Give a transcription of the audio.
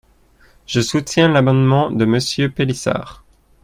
Je soutiens l’amendement de Monsieur Pélissard.